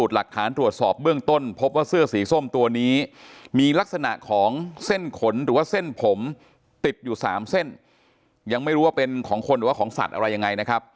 เหมือนไม่รู้ว่าเป็นของคนหรือว่าของสัตว์อะไรยังไงนะครับ